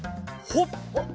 ほっ！